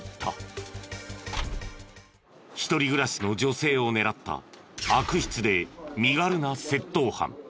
一人暮らしの女性を狙った悪質で身軽な窃盗犯。